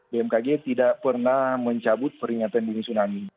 bmkg tidak pernah mencabut peringatan di sini tsunami